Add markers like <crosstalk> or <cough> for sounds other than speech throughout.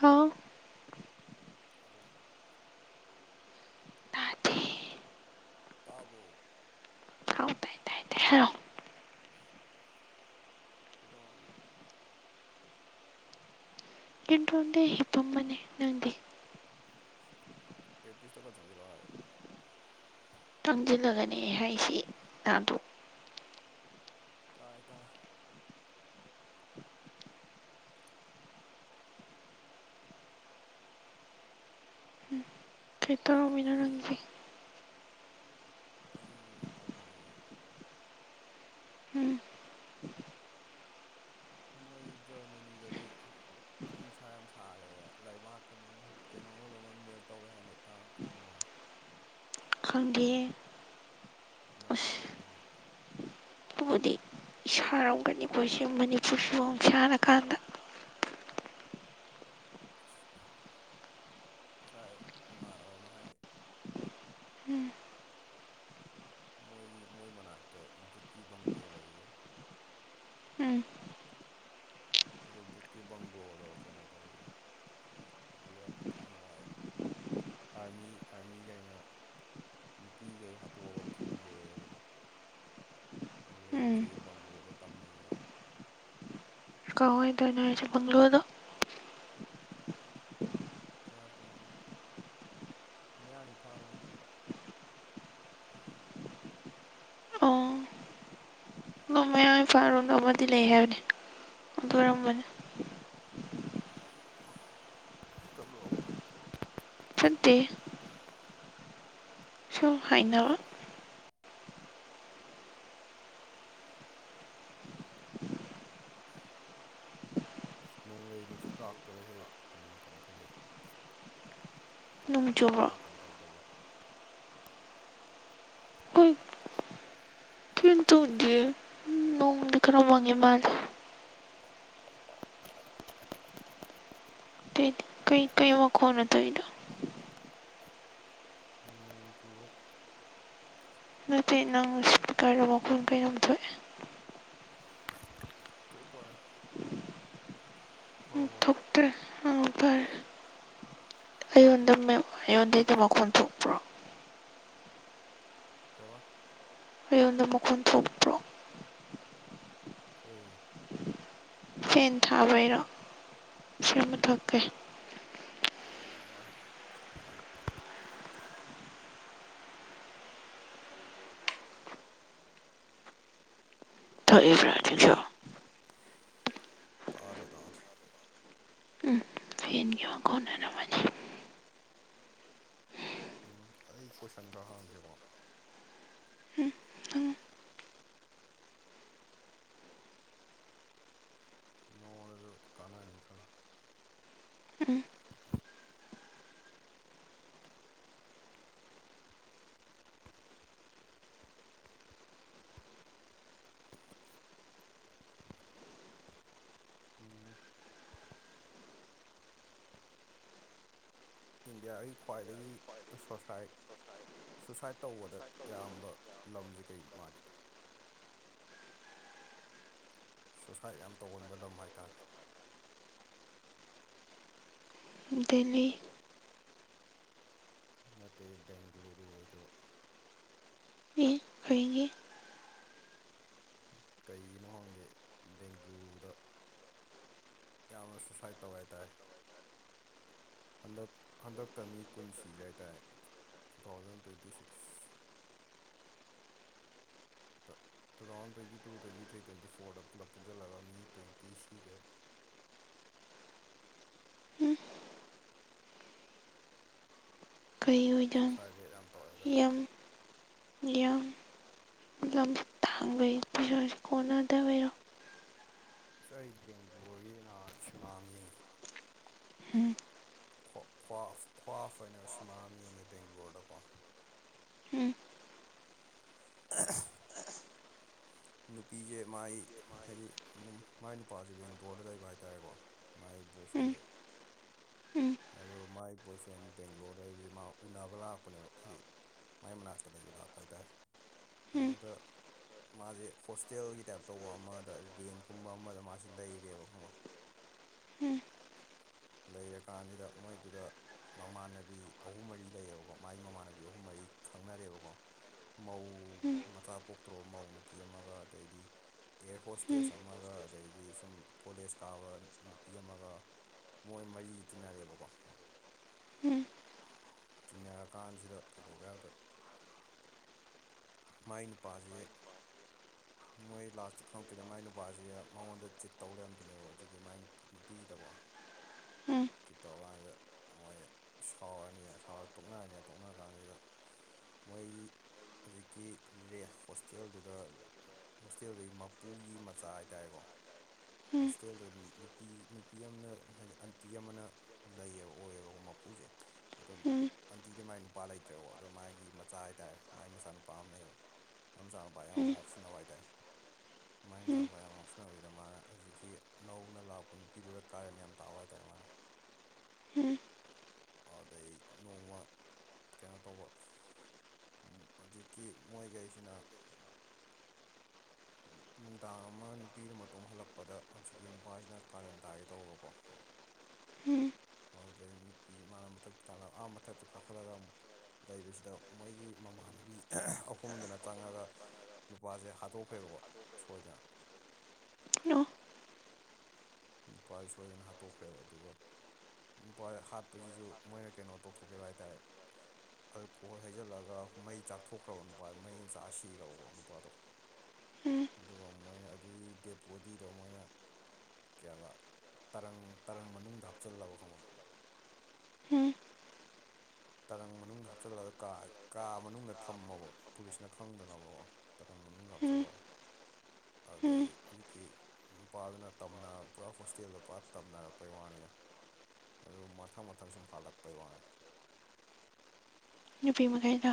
ꯍꯥꯎ hello ꯇꯥꯗꯦ ꯇꯥꯕ꯭ꯔꯣ hello ꯀꯗꯑꯣ ꯃꯤꯅꯣ ꯏꯅꯣꯗ ꯍꯤꯄꯃꯅꯤ ꯅꯗꯤ ꯑꯦ ꯄꯤꯁꯇ ꯈꯔ ꯆꯪꯖꯂꯥꯛꯑꯣ ꯍꯥꯏꯌꯣ ꯇꯪꯖꯤꯜꯂꯒꯅꯦ ꯍꯥꯏꯁꯤ ꯇꯗꯣ ꯇꯥꯏ ꯇꯔꯦ ꯀꯩꯅꯣꯒꯤ ꯐꯦꯇꯔꯣꯃꯤꯅꯔꯪꯖꯤ ꯑꯩ ꯍꯤꯄꯝꯕꯅꯦ ꯎꯝ ꯃꯣꯏ ꯑꯩꯈꯣꯏ ꯖꯔꯃꯅꯤꯗꯗꯤ ꯅꯨꯡꯁꯥ ꯌꯥꯝ ꯁꯥꯔꯦ ꯂꯩꯕꯥꯛꯀ ꯀꯩꯅꯣ ꯏꯃꯦꯜ ꯇꯧꯔꯦ ꯍꯥꯏꯅꯇꯥ ꯈꯪꯕꯅꯥ ꯈꯪꯗꯦꯦ ꯂꯝꯕꯤꯃꯛ ꯑꯗꯨꯕꯨꯗꯤ ꯏꯁꯥꯔꯝꯒꯅꯤ ꯄꯁꯦ ꯃꯅꯤꯄꯨꯔꯁꯤ ꯁꯥꯟꯔꯀꯥꯟꯗ ꯉꯁꯥꯏ ꯏꯃꯥꯟꯅꯕ ꯑꯃꯅ ꯍꯥꯏꯅꯩ ꯎꯝ ꯃꯣꯏꯒꯤ ꯃꯣꯏ ꯃꯅꯥꯛꯇ ꯕꯨꯠꯀꯤ ꯕꯪꯒꯂꯣ ꯂꯩꯌꯦ ꯎꯝ ꯑꯗꯨ ꯕꯨꯠꯀꯤ ꯕꯪꯒ꯭ꯂꯣꯗꯣ ꯀꯩꯅꯣ ꯇꯧꯋꯦꯑꯦ ꯑꯗꯨꯗ ꯊꯥꯏꯅ ꯋꯥꯏ ꯑꯥꯔꯃꯤ ꯑꯥꯔꯃꯤꯈꯩꯅ ꯅꯨꯄꯤꯈꯩ ꯍꯥꯠꯇꯣꯛꯑꯒ ꯐꯨꯝꯈ꯭ꯔꯦ ꯑꯗꯨꯗ ꯑꯗꯨꯗꯩ ꯎꯝ ꯖꯩ ꯕꯪꯒꯂꯣꯗꯣ ꯇꯝꯅꯩꯌꯦ ꯀꯋꯥꯗꯅꯣ ꯍꯥꯏꯁꯦ ꯕꯪꯒꯂꯣꯗꯣ꯫ ꯑꯥ ꯀꯩꯅꯣ ꯃꯌꯥꯡ ꯏꯝꯐꯥꯜꯔꯣꯝꯗ <inaudible> ꯃꯣꯏ ꯃꯌꯥꯡ ꯏꯐꯥꯔꯣꯝꯗ ꯑꯃꯗꯤ ꯂꯩ ꯍꯥꯏꯕꯅꯤ ꯑꯗꯨ ꯑꯣꯏꯔꯝꯃꯅꯤ ꯆꯠꯂꯨꯔꯕꯣ ꯅꯪ ꯆꯠꯇꯦꯑꯦ ꯁꯨꯝ ꯍꯥꯏꯅꯕ ꯅꯣꯡꯂꯩ ꯅꯨꯡꯁꯤꯠ ꯂꯥꯛꯇꯣꯔꯦꯍꯦ ꯅꯨꯡ ꯀꯟ ꯈꯠꯂꯛꯑꯦ꯫ ꯅꯣꯡ ꯆꯨꯕ꯭ꯔꯣ ꯗꯥꯥꯏ ꯀꯩꯝ ꯇꯧꯗꯕꯣ ꯍꯣꯏ ꯀꯩꯝ ꯇꯧꯗꯤꯌꯦ ꯅꯣꯡꯗꯤ ꯈꯔ ꯃꯪꯉꯤ ꯃꯜꯂꯦ ꯑꯇꯩꯗꯤ ꯀꯩ ꯀꯩ ꯃꯈꯣꯟꯅꯣ ꯇꯧꯏꯗꯣ ꯅꯣꯡ ꯆꯨꯕꯒꯤ ꯅꯠꯇꯦ ꯅꯪ ꯏꯁꯄꯤꯀꯔꯗ ꯃꯈꯣꯟ ꯀꯩꯅꯣꯝ ꯊꯣꯛꯑꯦ ꯊꯣꯛꯄꯔꯅꯦ ꯎꯝ ꯐꯔꯕꯣ ꯊꯣꯛꯇ꯭ꯔꯦ ꯎꯝ ꯐꯔꯦ ꯑꯩꯉꯣꯟꯗꯒꯤ ꯃꯈꯣꯟ ꯊꯣꯛꯄ꯭ꯔꯣ ꯀꯩꯕ ꯑꯩꯉꯣꯟꯗ ꯃꯈꯣꯟ ꯊꯣꯛꯄ꯭ꯔꯣ꯫ ꯊꯣꯛꯏ ꯐꯦꯟ ꯊꯥꯕꯩꯔꯣ ꯐꯦꯟ ꯃꯨꯠꯊꯠꯀꯦ ꯑꯣꯏꯔꯝꯕꯅꯤ ꯌꯥꯔꯦ ꯊꯣꯛꯐꯕꯔꯥ ꯍꯧꯖꯤꯛꯁꯨ ꯇꯥꯗꯦ ꯇꯥꯗꯦ ꯀꯣꯅ ꯎꯝ ꯑꯩ ꯀꯣꯏꯁꯟꯗ ꯈꯔ ꯍꯥꯡꯉꯛꯀꯦꯀꯣ ꯅꯣꯡꯗ ꯀꯥꯅꯅꯤ ꯈꯜꯂꯦ ꯎꯝ <unintelligible> ꯏꯟꯗꯤꯌꯥꯒꯤ ꯈ꯭ꯋꯥꯏꯗꯒꯤ ꯁꯣꯁꯥꯏ ꯁꯨꯏꯁꯥꯏꯠ ꯇꯧꯕꯗ ꯌꯥꯝꯕ ꯂꯝꯁꯤ ꯀꯔꯤ ꯃꯥꯜꯂꯤ ꯁꯨꯏꯁꯥꯏꯠ ꯌꯥꯝ ꯇꯧꯒꯟꯕ ꯂꯝ ꯍꯥꯏ ꯇꯥꯔꯦ ꯗꯦꯜꯂꯤ ꯅꯠꯇꯦ ꯕꯦꯡꯒꯂꯨꯔꯨ ꯑꯣꯏꯗꯧꯕ ꯑꯦ ꯀꯩꯒꯤ ꯀꯩꯒꯤꯅꯣ ꯈꯪꯗꯦ ꯕꯦꯡꯒꯂꯨꯔꯨꯗ ꯌꯥꯝꯅ ꯁꯨꯁꯥꯏꯠ ꯇꯧꯏ ꯍꯥꯏ ꯇꯔꯦ ꯍꯟꯗꯛ ꯍꯟꯗꯛꯇ ꯃꯤ ꯀꯨꯟ ꯁꯤꯈꯔꯦ ꯍꯥꯏꯇꯥꯔꯦ ꯇꯨ ꯊꯥꯎꯖꯟ ꯇ꯭ꯋꯦꯟꯇꯤ ꯁꯤꯛꯁ ꯇ two thousand twenty two twenty three twenty ꯐꯣꯔꯗ ꯄꯨꯂꯞ ꯄꯨꯟꯁꯤꯜꯂꯒ ꯃꯤ ꯇ꯭ꯋꯦꯟꯇꯤ ꯁꯤꯈ꯭ꯔꯦꯕ ꯫ <inaudible> ꯎꯝ ꯀꯩ ꯑꯣꯏꯖꯠꯅꯣ ꯁꯨꯁꯥꯏꯠ ꯔꯦꯠ ꯌꯥꯝ ꯇꯧꯋꯦ ꯍꯥꯏꯇꯥꯔꯦ ꯌꯥꯝ ꯌꯥꯝ ꯂꯝ ꯇꯥꯡꯕꯒꯤ ꯄꯩꯁꯥ ꯀꯣꯟꯅꯗꯕꯩꯔꯣ꯫ ꯑꯁ ꯑꯩ ꯕꯦꯡꯒ꯭ꯂꯣꯔꯒꯤ ꯅꯍꯟ ꯁꯤꯅꯤꯃꯥ ꯑꯃ ꯌꯦꯡꯉꯤ꯫ ꯎꯝ ꯭ꯋꯥ ꯈ꯭ꯋꯥꯐ ꯍꯥꯏꯅ ꯁꯤꯃꯥ ꯑꯃ ꯌꯦꯡꯉꯦ ꯕꯦꯡꯒ꯭ꯂꯣꯔꯗꯀꯣ ꯎꯝ <unintelligible> ꯅꯨꯄꯤꯁꯦ ꯃꯥꯏ ꯍꯥꯏꯗꯤ ꯑꯗꯨꯝ ꯃꯥꯏ ꯅꯨꯄꯥꯁꯦ ꯕꯦꯡꯒ꯭ꯂꯣꯔꯗ ꯂꯩꯕ ꯍꯥꯏꯇꯥꯥꯔꯦꯀꯣ ꯃꯥꯏ ꯑꯩ ꯎꯝ ꯕꯣꯏꯐ꯭ꯔꯦꯟꯁꯦ ꯎꯝ ꯑꯗꯣ ꯃꯥꯏ ꯕꯣꯏꯐ꯭ꯔꯦꯟ ꯕꯦꯡꯒ꯭ꯂꯣꯔꯗ ꯂꯩꯕꯁꯤꯦ ꯃꯥ ꯎꯅꯕ ꯂꯥꯛꯄꯅꯦꯕ ꯑꯩ ꯃꯥꯏ ꯃꯅꯥꯛꯇ ꯂꯩꯕ ꯂꯥꯛꯄ ꯍꯥꯏꯇꯥꯔꯦ ꯎꯝ ꯑꯗꯨꯗ ꯃꯥꯁꯦ ꯍꯣꯁꯇꯦꯜꯒꯤ ꯇꯥꯏꯞ ꯇꯧꯕ ꯑꯃꯗ ꯔꯦꯟꯀꯨꯝꯕ ꯑꯃꯗ ꯃꯥꯁꯤ ꯂꯩꯔꯦꯕ ꯈꯪ ꯎꯝ ꯂꯩꯔꯀꯥꯟꯁꯤꯗ ꯃꯣꯏꯗꯨꯗ ꯃꯃꯥꯟꯅꯕꯤ ꯑꯍꯨꯝ ꯃꯔꯤ ꯂꯩꯌꯦꯕꯀꯣ ꯃꯒꯤ ꯃꯃꯥꯟꯅꯕꯤ ꯑꯍꯨꯝ ꯃꯔꯤ ꯈꯪꯅꯔꯦꯕꯀꯣ ꯃꯧ ꯎꯝ ꯃꯆꯥ ꯄꯣꯛꯇ꯭ꯔꯣꯕ ꯃꯧ ꯅꯨꯄꯤ ꯑꯃꯒ ꯑꯗꯩꯗꯤ ꯑꯦꯌꯔ ꯎꯝ ꯍꯣꯁꯇꯦꯁ ꯑꯃꯒ ꯑꯗꯩꯗꯤ ꯁꯨꯝ ꯀꯣꯂꯦꯖ ꯀꯥꯕ ꯅꯨꯄꯤ ꯑꯃꯒ ꯃꯣꯏ ꯃꯔꯤꯁ ꯇꯤꯟꯅꯔꯦꯕꯀꯣ ꯎꯝ ꯇꯤꯟꯅꯔꯀꯥꯟꯁꯤꯗ ꯀꯩꯗꯧꯒꯦ ꯍꯥꯏꯕꯗ ꯃꯥꯏ ꯅꯨꯄꯥ ꯃꯣꯏ ꯂꯥꯁꯇ ꯈꯪꯉꯛꯇꯣꯏꯅꯦ ꯃꯥꯏ ꯅꯨꯄꯥꯁꯦ ꯃꯉꯣꯟꯗ ꯆꯤꯠ ꯇꯧ ꯂꯩꯔꯝꯗꯣꯏꯅꯦꯕ ꯍꯧꯖꯤꯛꯀꯤ ꯃꯥꯏ ꯅꯨꯄꯤꯁꯤꯗꯀꯣ ꯎꯝ ꯀꯤ ꯇꯣꯒ ꯍꯥꯏꯗ ꯃꯣꯏ ꯁꯥꯎꯔꯅꯤ ꯇꯣꯛꯅꯔꯅꯤ ꯇꯣꯛꯅꯔ ꯀꯥꯟꯁꯤꯗ ꯃꯣꯏ ꯍꯧꯖꯤꯛꯀꯤ ꯔꯦ ꯍꯣꯁꯇꯦꯜꯗꯨꯗ ꯍꯣꯁꯇꯦꯜꯗꯨꯒꯤ ꯃꯄꯨꯒꯤ ꯃꯆꯥ ꯍꯥꯏꯇꯥꯔꯦꯀꯣ ꯍꯣꯁꯇꯦꯜꯗꯣ ꯅꯨꯄꯤ ꯅꯨꯄꯤ ꯑꯃꯅ ꯍꯥꯏꯗꯤ ꯑꯟꯇꯤ ꯑꯃꯅ ꯂꯩꯌꯦꯕ ꯑꯣꯏꯌꯦꯕꯀꯣ ꯃꯄꯨꯁꯦ ꯑꯗꯨꯝ ꯑꯟꯇꯤꯗꯤ ꯃꯥꯏ ꯅꯨꯄꯥ ꯂꯩꯇ꯭ꯔꯦꯕꯣ ꯑꯗꯣ ꯃꯥꯒꯤ ꯃꯆꯥ ꯍꯥꯏꯇꯥꯔꯦ ꯃꯥꯏ ꯃꯆꯥꯅꯨꯄꯥ ꯑꯃ ꯂꯩꯩꯌꯦꯕ ꯃꯥꯢ ꯃꯆꯥꯅꯨꯄꯥ ꯌꯥꯝ ꯉꯥꯎꯁꯤꯟꯅꯕ ꯍꯥꯏꯇꯥꯔꯦ ꯃꯥꯏ ꯃꯆꯥꯅꯨꯄꯥ ꯌꯥꯝ ꯉꯥꯎꯁꯤꯟꯅꯕ ꯗ ꯃꯥꯅ ꯍꯧꯖꯤꯛꯀꯤ ꯅꯧꯅ ꯂꯥꯛꯄ ꯅꯨꯄꯤꯗꯨꯗ ꯀꯥꯔꯦꯟ ꯌꯥꯝ ꯇꯥꯕ ꯍꯥꯏꯇꯥꯔꯦ ꯃꯥꯅ ꯎꯝ ꯑꯗꯨꯗꯩ ꯅꯣꯡꯃ ꯀꯩꯅꯣ ꯇꯧꯕ ꯍꯧꯖꯤꯛꯀꯤ ꯃꯣꯏꯈꯩꯁꯤꯅ ꯅꯨꯡꯗꯥꯡ ꯑꯃ ꯅꯨꯄꯤꯗ ꯃꯇꯣꯝ ꯍꯜꯂꯛꯄꯗ ꯍꯧꯖꯤꯛꯀꯤ ꯅꯨꯄꯥꯁꯤꯅ ꯀꯥꯔꯟ ꯇꯥꯒꯦ ꯇꯧꯕꯀꯣ <inaudible> ꯎꯝ ꯑꯗꯨꯗꯩ ꯅꯨꯄꯤ ꯃꯥꯅ ꯃꯊꯛꯇ ꯑꯥ ꯃꯊꯛꯇ ꯀꯥꯈꯠꯂꯒ ꯂꯩꯕꯁꯤꯗ ꯃꯣꯏꯒꯤ ꯃꯃꯥꯟꯅꯕꯤ ꯑꯍꯨꯝꯗꯨꯅ ꯆꯪꯉꯒ ꯅꯨꯄꯥꯁꯦ ꯍꯥꯠꯇꯣꯛ ꯍꯥꯠꯈ꯭ꯔꯦꯕꯀꯣ ꯁꯣꯏꯗꯅ ꯅꯣ ꯅꯨꯄꯥ ꯁꯣꯏꯗꯅ ꯍꯥꯠꯇꯣꯛꯈ꯭ꯔꯦꯕ ꯑꯗꯨꯒ ꯅꯨꯄꯥ ꯍꯥꯠꯄꯁꯤꯁꯨ ꯃꯣꯏꯅ ꯀꯩꯅꯣ ꯇꯧꯊꯣꯛꯈꯤꯕ ꯍꯥꯏ ꯇꯥꯔꯦ ꯑꯗꯨ ꯀꯣꯠ ꯍꯩꯖꯤꯜꯂꯒ ꯃꯩ ꯆꯥꯛꯊꯣꯛꯈ꯭ꯔꯕ ꯅꯨꯄꯥꯗꯣ ꯃꯩꯅ ꯆꯥꯛꯑ ꯁꯤꯈ꯭ꯔꯕꯀꯣ ꯅꯨꯄꯥꯗꯣ ꯑꯗꯨꯒ ꯃꯣꯏꯅ ꯑꯗꯨꯒꯤ ꯗꯦꯠ ꯕꯣꯗꯤꯗꯣ ꯃꯣꯏꯅ ꯀꯌꯥꯕ ꯇꯔꯪ ꯇꯔꯪ ꯃꯅꯨꯡꯗ ꯍꯥꯞꯆꯤꯜꯂꯕ ꯈꯪꯕ꯭ꯔ ꯎꯝ ꯇꯔꯪ ꯃꯅꯨꯡꯗ ꯍꯥꯞꯆꯤꯜꯂꯒ ꯀꯥ ꯃꯅꯨꯡꯗ ꯊꯝꯃꯕ ꯄꯨꯂꯤꯁꯅ ꯈꯪꯗꯅꯕꯀꯣ ꯇꯔꯪ ꯃꯅꯨꯡ ꯍꯥꯞꯆꯜꯂ ꯑꯗꯩ ꯍꯧꯖꯤꯛꯀꯤ ꯅꯨꯄꯥꯗꯨꯅ ꯇꯝꯅ ꯄꯨꯔꯥ ꯍꯣꯁꯇꯦꯜꯗ ꯄꯨꯔꯥ ꯇꯝꯅꯔꯛꯄꯩ ꯋꯥꯅꯤꯗ ꯑꯗꯨ ꯃꯊꯪ ꯃꯊꯪ ꯁꯨꯝ ꯍꯥꯜꯂꯛꯄꯩ ꯋꯥꯅꯤ ꯅꯨꯄꯤ ꯃꯈꯩꯗꯣ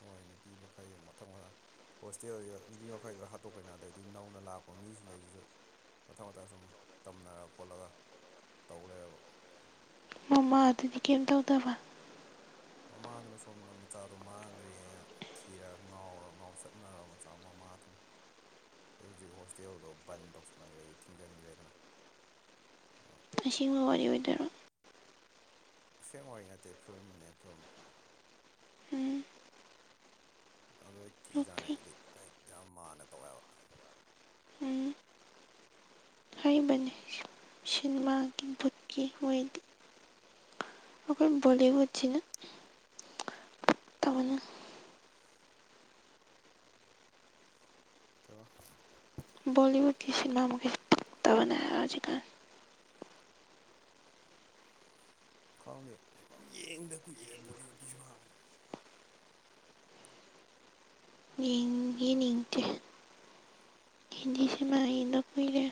ꯍꯣꯏ ꯅꯨꯄꯤ ꯃꯈꯩ ꯃꯊꯪ ꯃꯊꯪ ꯍꯣꯁꯇꯦꯜꯗꯨ ꯅꯨꯄꯤ ꯃꯈꯩꯗꯨ ꯍꯥꯠꯇꯣꯛꯈ꯭ꯔꯦꯅ ꯑꯗꯩꯗꯤ ꯅꯧꯅ ꯂꯥꯛꯄ ꯃꯤꯁꯤꯡ ꯈꯩꯁꯤꯁꯨ ꯃꯊꯪ ꯃꯊꯪ ꯁꯨꯝ ꯇꯝꯅꯔ ꯈꯣꯠꯂꯒ ꯇꯧ ꯂꯩꯔꯕ ꯃꯃꯥ ꯑꯗꯨꯗꯤ ꯀꯩꯝ ꯇꯧꯗꯕ ꯃꯃꯥꯗꯨꯅ ꯁꯣꯝꯗ ꯃꯆꯥꯗꯨ ꯃꯥꯡꯒ꯭ꯔꯦꯅ ꯊꯤꯔꯒ ꯉꯥꯎꯔꯒ ꯉꯥꯎ ꯆꯠꯅꯔꯕ ꯃꯆꯥ ꯑꯃ ꯃꯥꯇꯨꯝ ꯑꯗꯩ ꯍꯧꯖꯤꯛ ꯍꯣꯁꯇꯦꯜꯗꯣ ꯕꯟ ꯇꯧꯁꯟꯈ꯭ꯔꯦ ꯊꯤꯡꯖꯤꯟꯈ꯭ꯔꯦꯗꯅ ꯑꯁꯦꯡꯕ ꯋꯥꯔꯤ ꯑꯣꯏꯗꯣꯏꯔꯣ ꯑꯁꯦꯡ ꯋꯥꯔꯤ ꯅꯠꯇꯦ ꯐꯤꯂꯝꯅꯦ ꯐꯤꯂꯝ ꯎꯝ ꯑꯗꯨ ꯑꯩ ꯀꯤꯖꯥꯠꯅꯤ ꯑꯣꯀꯦ ꯑꯩꯗꯤ ꯂꯥꯏꯔꯤꯛꯇ ꯌꯥꯝ ꯃꯥꯟꯅ ꯇꯧꯋꯦꯕ ꯍꯩꯕꯅꯤ ꯁꯤꯅꯦꯃꯥꯒꯤ ꯕꯨꯠꯀꯤ ꯑꯣꯏꯗꯤ ꯑꯩꯈꯣꯏ ꯕꯣꯂꯤꯎꯠꯁꯤꯅ ꯄꯛꯇꯕꯅ ꯀꯩ ꯕꯥ ꯕꯣꯂꯤꯎꯠꯀꯤ ꯁꯤꯅꯦꯃꯥ ꯃꯈꯩꯁꯦ ꯄꯛꯇꯕꯅ ꯍꯧꯖꯤꯛꯀꯥꯟ ꯈꯪꯗꯦ ꯑ ꯌꯦꯡꯗ ꯀꯨꯏꯔꯦ ꯕꯣꯂꯤꯋꯨꯗꯀꯤ ꯁꯤꯃꯒꯥꯗꯤ ꯎꯝ ꯌꯦꯡꯅꯤꯡꯇꯦ ꯁꯤꯅꯦꯃꯥ ꯌꯦꯡꯗ ꯀꯨꯏꯔꯦ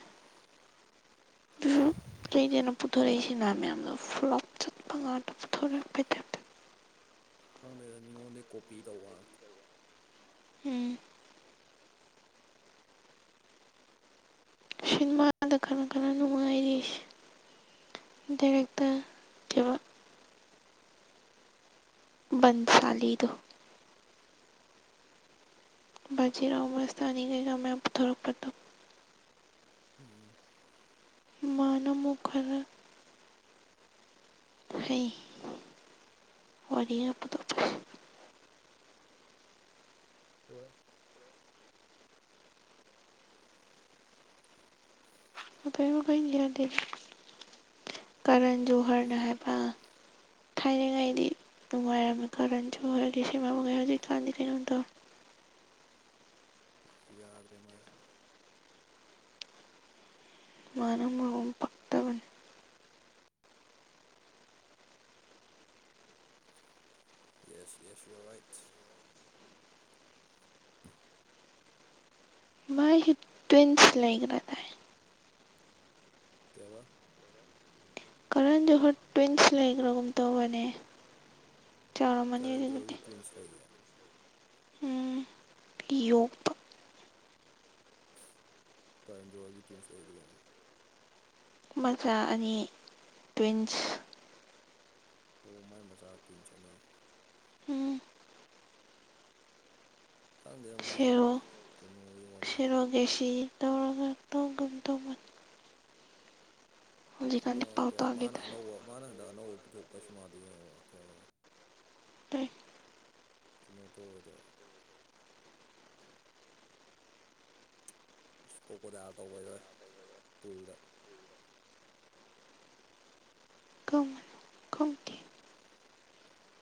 ꯑꯗꯨꯁꯨ ꯂꯩꯗꯅ ꯄꯨꯊꯣꯔꯛꯏꯁꯤꯅ ꯃꯌꯥꯝ ꯐ꯭ꯂꯣꯞ ꯆꯠꯄ ꯉꯥꯛꯇ ꯄꯨꯊꯣꯔꯛꯄꯩ ꯇꯥꯢꯞꯇ ꯈꯪꯗꯦꯗ ꯃꯤꯉꯣꯟꯗꯩ ꯀꯣꯄꯤ ꯇꯧꯕ ꯉꯥꯛꯇ ꯎꯝ ꯁꯤꯟꯃꯥꯗ ꯀꯟꯅ ꯀꯟꯅ ꯅꯨꯡꯉꯥꯏꯔꯤꯁꯦ ꯗꯥꯏꯔꯦꯛꯇꯔ ꯀꯩꯕ ꯆꯂꯤꯗꯨ ꯕꯖꯤꯔꯥꯎ ꯃꯁ ꯇꯅꯤ ꯀꯩꯀ ꯃꯌꯥꯝ ꯄꯨꯊꯣꯔꯛꯄꯗꯣ ꯎꯝ ꯃꯥꯅ ꯑꯃꯨꯛ ꯈꯔ ꯍꯩ ꯋꯥꯔꯤꯒ ꯄꯨ <unintelligible> ꯍꯣꯏ ꯀꯖ ꯍꯔꯗ ꯍꯥꯏ ꯀꯩꯕ ꯈꯥꯏꯅꯉꯥꯏꯗꯤ ꯅꯨꯡꯉꯥꯏꯔ ꯁꯤ ꯍꯧꯖꯤꯛ ꯀꯥꯟꯗꯤ ꯀꯩꯅꯗ ꯌꯥꯗ ꯔꯦꯃꯖ ꯃꯥꯅ ꯃꯑꯣ ꯌꯦꯁ ꯌꯦꯁ ꯌꯣꯔ ꯔꯥꯏꯠ ꯃꯥꯏꯁꯤ ꯇ꯭ꯋꯤꯟꯁ ꯂꯩꯒ꯭ꯔ ꯀꯋꯥ ꯁ ꯂꯩꯈ꯭ꯔꯥꯒꯨꯝ ꯇꯧꯕꯅꯦ ꯆꯥꯎꯔꯝꯃꯅꯤ ꯑꯗꯨꯕꯨꯗꯤ ꯀꯔꯖꯣꯔꯒꯤ ꯇ꯭ꯋꯤꯟꯁ ꯂꯩꯌꯦ ꯎꯝ ꯌꯣꯛꯄ ꯀꯥꯔꯦꯟꯖꯣꯔꯋꯥꯒꯤ ꯇ꯭ꯋꯤꯟꯁ ꯂꯩꯗꯤ ꯀꯩꯅꯣ ꯃꯆꯥ ꯑꯅꯤ ꯇ꯭ꯋꯤꯟꯁ ꯑꯣ ꯃꯥꯏ ꯃꯆꯥ ꯇꯨ ꯏꯟ ꯆꯠꯅꯤ ꯎꯝ ꯈꯪꯗꯦꯗ ꯃꯣꯏ ꯁꯦꯔꯣ ꯀꯩꯅꯣꯒꯤ ꯋꯥꯔꯤ ꯁꯦꯔꯣꯒꯦꯁꯤ ꯇꯧꯔꯒ ꯇꯧꯒꯨꯝ ꯇꯧꯕꯅꯤ ꯑꯃ ꯍꯧꯖꯤꯛꯀꯥꯟꯗꯤ ꯄꯥꯎ ꯀꯩꯕꯥ ꯃꯥꯅ ꯇꯥꯈꯤꯗ꯭ꯔꯦ ꯑꯅꯧꯕ ꯃꯥꯅ ꯍꯟꯗꯛ ꯑꯅꯧꯕ ꯄꯨꯊꯣꯛꯄꯩ ꯁꯤꯃꯥꯗꯨ ꯌꯦꯡꯉꯕꯣ ꯀꯩꯕꯥ ꯂꯥꯏꯔꯤꯛ ꯀꯩꯅꯣ ꯇꯧꯕꯩꯗꯣ ꯑꯨꯁ ꯀꯣꯀꯣꯗꯥꯏꯜ ꯇꯧꯕꯩꯗꯣꯏ ꯍꯦ ꯄꯨꯜꯗ ꯀꯃꯥꯏ ꯈꯪꯗꯦ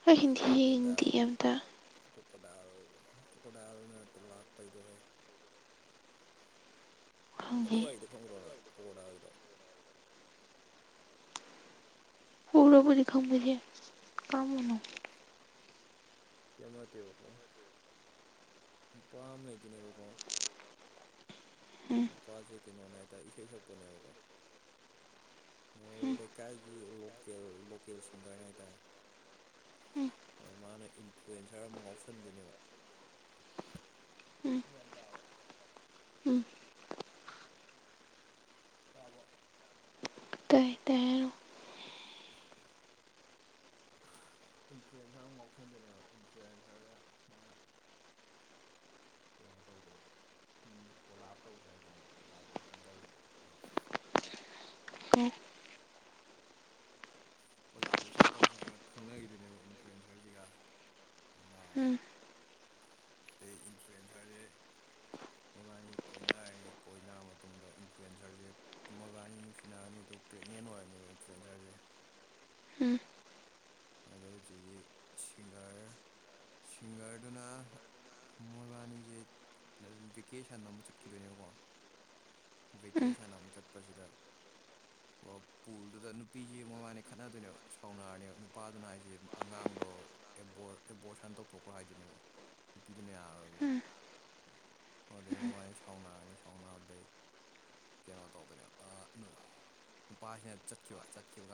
ꯑꯩ ꯍꯤꯟꯗꯤ ꯍꯤꯟꯗꯤꯌꯦ ꯑꯝꯇꯥ ꯀꯣꯀꯣꯔ ꯗꯥꯏꯜ ꯀꯣꯀꯣꯔ ꯗꯥꯏꯜꯅ ꯇꯨꯜ ꯂꯥꯛꯄꯩꯗꯣꯍꯦ ꯑꯗꯨ ꯈꯪꯗꯦ ꯋꯥꯏꯗꯣ ꯈꯪꯈ꯭ꯔꯣꯅ ꯑꯣꯗꯥꯒꯤꯗꯣ ꯍꯔꯕꯨꯗꯤ ꯈꯝꯕꯦ ꯀꯥ ꯃꯅꯣ ꯀꯃ ꯇꯕ ꯀꯣ ꯄꯥꯝ ꯂꯩꯇꯅꯦ ꯎꯝ ꯄꯀꯄꯥ ꯆꯩꯦ ꯀꯩꯅꯣꯅ ꯍꯥꯏꯇꯥꯔꯦ ꯏꯁꯩ ꯁꯛꯄꯅꯦꯕꯀꯣ ꯎꯝ ꯂꯩꯀꯥꯏꯒꯤ ꯂꯣꯀꯦꯜ ꯂꯣꯀꯦꯜ ꯁꯤꯡꯒꯔꯅ ꯍꯥꯏꯇꯥꯔꯦ ꯎꯝ ꯃ ꯃꯥꯅ ꯏ ꯏꯟꯐ꯭ꯂꯨꯋꯟꯖꯔ ꯑꯃ ꯉꯥꯎꯁꯟꯗꯣꯏꯅꯦꯕ ꯎꯝ ꯎꯝ ꯇ ꯑꯕ ꯇ ꯇꯔꯣ ꯏꯟꯐ꯭ꯂꯨꯌꯦꯟꯁꯔ ꯑꯃ ꯉꯥꯎꯁꯟꯗꯣꯏꯅꯦꯕ ꯏꯟꯐ꯭ꯂꯨꯌꯦꯟꯁꯔꯁ ꯃꯥ ꯀꯩꯅꯣ ꯇꯧꯗꯕ ꯎꯝ ꯀꯣꯂꯥꯞ ꯇꯧꯁꯁꯤꯦ ꯍꯥꯏꯗꯣꯏꯅꯦꯕ ꯀꯣꯂꯥꯞꯇ ꯁꯟꯗꯧꯕꯗꯣ ꯃꯣꯏ ꯎꯝ ꯀꯣꯂꯥꯕꯔꯦꯁꯟ ꯇꯧꯁꯦ ꯍꯥꯏꯔ ꯈꯪꯅꯈꯤꯗꯨꯣꯏꯅꯦꯕ ꯏꯟꯐ꯭ꯂꯨꯌꯦꯟꯁꯔꯁꯤꯒ ꯎꯝ ꯑ ꯏꯟꯐ꯭ꯂꯨꯌꯦꯟꯁ ꯍꯥꯏꯦ ꯃꯣꯏꯕꯥꯅꯤ ꯀꯣꯏꯅꯔꯅꯤ ꯀꯣꯏꯅꯔꯕ ꯃꯇꯨꯡꯗ ꯏꯟꯐ꯭ꯂꯨꯋꯟꯖꯔꯁꯦ ꯃꯣꯏꯕꯥꯅꯤ ꯅꯨꯡꯁꯤꯅꯔꯅꯤ ꯑꯗꯨ ꯑꯗꯨ ꯄ꯭ꯔꯦꯒꯅꯦꯟ ꯑꯣꯏꯔꯅꯦꯕ ꯇ꯭ꯔꯦꯟꯖꯔꯁꯦ ꯎꯝ ꯑꯗꯨꯗꯩ ꯍꯧꯖꯤꯛꯀꯤ ꯁꯤꯡꯒꯔ ꯁꯤꯡꯒꯔꯗꯨꯅ ꯃꯣꯏꯕꯥꯅꯤꯁꯦ ꯚꯦꯀꯦꯁꯟ ꯑꯃꯨ ꯆꯠꯈꯤꯗꯣꯏꯅꯦꯕꯀꯣ ꯎꯝ ꯦꯀꯦꯁꯟ ꯑꯃ ꯆꯠ ꯆꯠꯄꯁꯤꯗ ꯍ ꯄꯨꯜꯗꯨꯗ ꯅꯨꯄꯤꯁꯦ ꯃꯣꯏꯕꯥꯅꯦ ꯈꯠꯅꯗꯣꯏꯅꯦꯕ ꯁꯥꯎꯅꯔꯅꯦꯕ ꯄꯥꯗꯨꯅ ꯑꯩꯁꯦ ꯑꯉꯥꯡꯗꯣ ꯑꯦꯕꯣꯔ ꯑꯦꯕꯣꯔꯁꯟ ꯇꯧꯊꯣꯛꯈ꯭ꯔꯣ ꯍꯥꯏꯗꯨꯣꯏꯅꯦꯕ ꯄꯤꯗꯨꯅ ꯌꯥꯔꯔꯣꯏꯕꯣ ꯎꯝ ꯑꯗꯨꯗꯩ ꯃꯕꯥꯏꯅꯤ ꯁꯥꯎꯅꯔꯅꯤ ꯁꯥꯎꯅꯕꯗꯩ ꯀꯩꯅꯣ ꯇꯧꯕꯗꯅꯦꯕ ꯑ ꯅꯨ ꯅꯨꯄꯥꯁꯤꯅ ꯆꯠꯈꯤꯕ ꯆꯠꯈꯤꯕ ꯀꯥꯟ